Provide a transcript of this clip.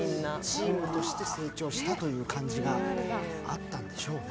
チームとして成長したという感じがあったんでしょうね。